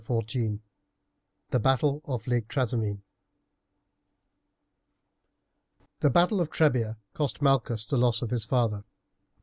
CHAPTER XIV: THE BATTLE OF LAKE TRASIMENE The battle of Trebia cost Malchus the loss of his father.